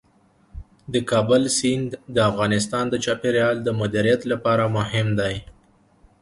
د کابل سیند د افغانستان د چاپیریال د مدیریت لپاره مهم دی.